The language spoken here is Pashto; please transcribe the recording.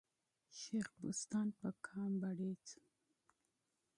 شېخ بُستان په قوم بړیڅ وو.